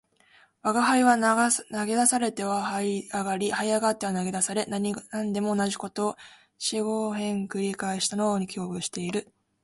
吾輩は投げ出されては這い上り、這い上っては投げ出され、何でも同じ事を四五遍繰り返したのを記憶している